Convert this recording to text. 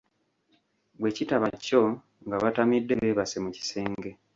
Bwe kitaba kyo nga batamidde beebase mu kisenge.